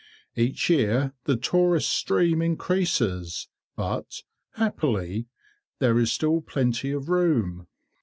Each year the tourist stream increases, but, happily, there is still plenty of room.